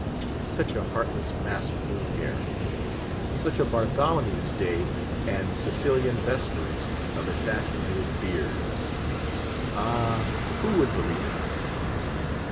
Such a heartless massacre of hair! Such a Bartholomew's Day and Sicilian Vespers of assassinated beards! Ah! who would believe it!